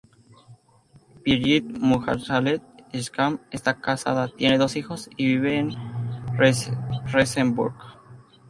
Birgit Muggenthaler-Schmack está casada, tiene dos hijos y vive en Regensburg.